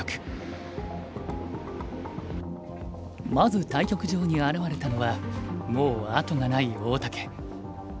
まず対局場に現れたのはもう後がない大竹。